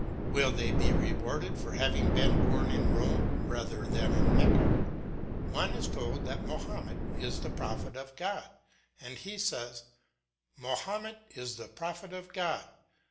Will they be rewarded for having been born in Rome rather than in Mecca? One is told that Mahomet is the prophet of God and he says, "Mahomet is the prophet of God."